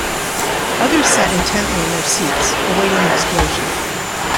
Others sat intently in their seats, awaiting the explosion.